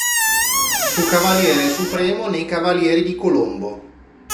Fu cavaliere supremo nei cavalieri di Colombo